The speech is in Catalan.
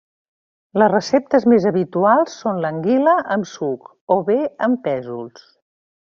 Les receptes més habituals són l'anguila amb suc o bé amb pèsols.